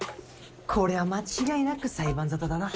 こりゃ間違いなく裁判沙汰だな。